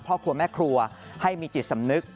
ครอบครัวแม่ครัวให้มีจิตสำนึก